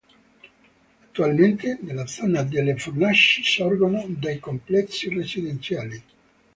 Attualmente nella zona delle fornaci sorgono dei complessi residenziali.